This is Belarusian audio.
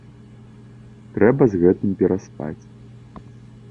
Трэба з гэтым пераспаць.